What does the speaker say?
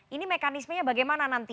ini mekanismenya bagaimana nanti